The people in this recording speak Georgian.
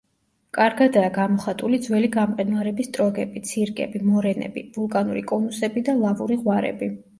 კარგადაა გამოხატული ძველი გამყინვარების ტროგები, ცირკები, მორენები; ვულკანური კონუსები და ლავური ღვარები.